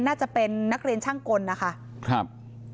น่าจะเป็นนักเรียนช่างกลนะคะครับ